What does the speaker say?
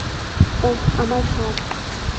ওহ, আমার হাত!